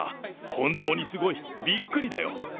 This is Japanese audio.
本当にすごい、びっくりだよ。